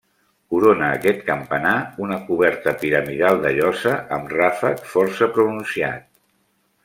Corona aquest campanar una coberta piramidal de llosa amb ràfec força pronunciat.